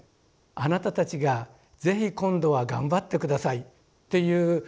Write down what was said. あなたたちが是非今度は頑張ってください」っていう。